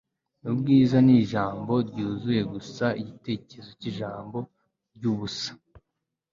Ubwiza nijambo ryuzuye gusa igitekerezo cyijambo ryubusa